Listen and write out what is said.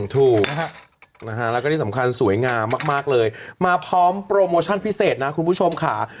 ถูกแล้วก็ที่สำคัญสวยงามมากเลยมาพร้อมโปรโมชั่นพิเศษนะคุณผู้ชมค่ะ